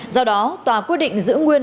do đó tòa quy định giữ nguyên